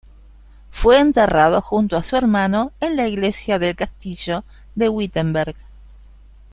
Fue enterrado junto a su hermano en la Iglesia del Castillo de Wittenberg.